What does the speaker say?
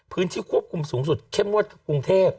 พื้นที่ควบคุมสูงสุดเข้มงวดกรุงเทพ